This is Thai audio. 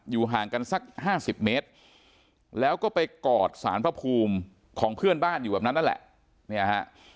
ห่างกันสัก๕๐เมตรแล้วก็ไปกอดสารพระภูมิของเพื่อนบ้านอยู่แบบนั้นนั่นแหละเนี่ยฮะ